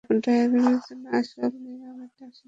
ড্রাইভের জন্য আসল নিলামের ডাক, সেখানেই অনুষ্ঠিত হবে।